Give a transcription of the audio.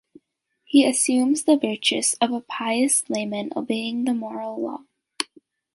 He assumes the virtues of a pious layman obeying the moral law.